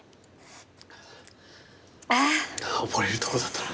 溺れるとこだったな。